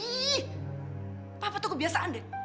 ih papa itu kebiasaan deh